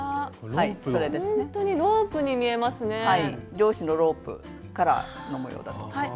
漁師のロープからの模様だと思います。